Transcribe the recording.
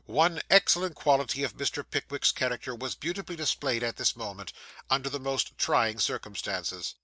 One excellent quality of Mr. Pickwick's character was beautifully displayed at this moment, under the most trying circumstances.